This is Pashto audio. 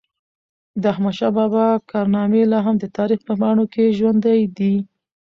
د احمدشاه بابا کارنامي لا هم د تاریخ په پاڼو کي ژوندۍ دي.